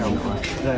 và để đây